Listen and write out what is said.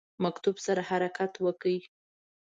مکتوب سره حرکت وکړ.